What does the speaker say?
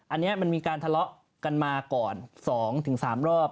อันเนี้ยมันมีการทะเลาะกันมาก่อนสองถึงสามรอบ